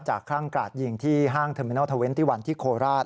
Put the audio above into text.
จากข้างกราดยิงที่ห้างเทอร์มินัล๒๑ที่โคลราช